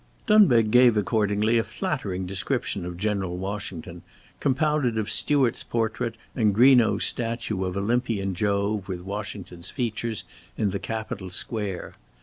Dunbeg gave accordingly a flattering description of General Washington, compounded of Stuart's portrait and Greenough's statue of Olympian Jove with Washington's features, in the Capitol Square.